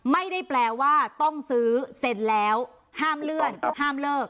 ไม่ได้แปลว่าต้องซื้อเซ็นแล้วห้ามเลื่อนห้ามเลิก